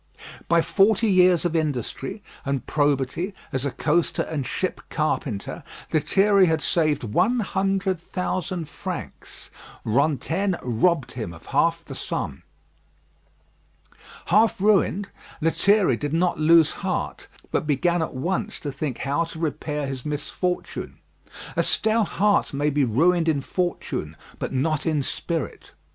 By forty years of industry and probity as a coaster and ship carpenter, Lethierry had saved one hundred thousand francs. Rantaine robbed him of half the sum. Half ruined, Lethierry did not lose heart, but began at once to think how to repair his misfortune. A stout heart may be ruined in fortune, but not in spirit.